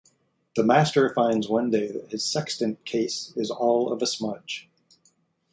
The master finds one day that his sextant case is all of a smudge.